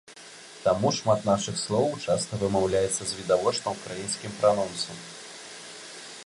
Таму шмат нашых словаў часта вымаўляюцца з відавочна ўкраінскім пранонсам.